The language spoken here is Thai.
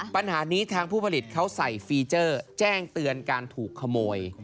ปัญหานี้ทางผู้ผลิตเขาใส่ฟีเจอร์แจ้งเตือนการถูกขโมย